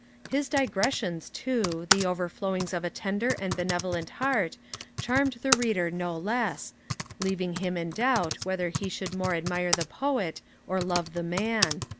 His digressions too, the overflowings of a tender benevolent heart, charmed the reader no less, leaving him in doubt, whether he should more admire the Poet or love the Man.'